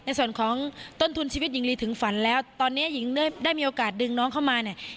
ในส่วนของต้นทุนชีวิตหญิงลีถึงฝันแล้วตอนนี้หญิงได้มีโอกาสดึงน้องเข้ามาเนี่ย